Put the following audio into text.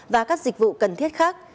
và các dịch vụ cần thiết khác